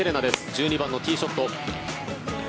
１２番のティーショット。